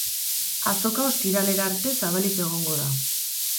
Azoka ostiralera arte zabalik egongo da.